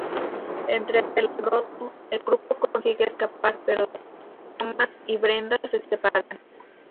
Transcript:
Entre el alboroto, el grupo consigue escapar, pero Thomas y Brenda se separan.